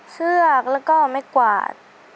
เชือกแล้วก็ไม่กวาด